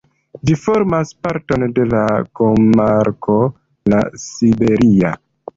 Ĝi formas parton de la komarko La Siberia.